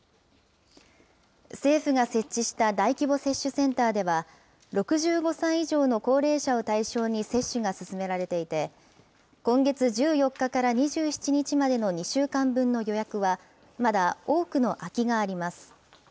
政府が設置した大規模接種センターでは、６５歳以上の高齢者を対象に接種が進められていて、今月１４日から２７日までの２週間分の予約は、まだ多くの空きがあります。